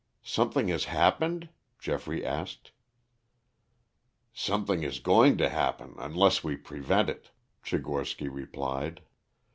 "Something has happened?" Geoffrey asked. "Something is going to happen unless we prevent it," Tchigorsky replied.